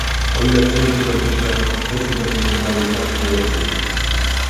O ile szczęście dopisze, rzeczy będą się miały znacznie lepiej